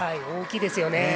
大きいですよね。